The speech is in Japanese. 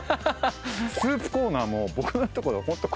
スープコーナーも僕のところホント